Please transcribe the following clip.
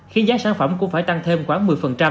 khi giá sản phẩm cũng phải tăng thêm khoảng một mươi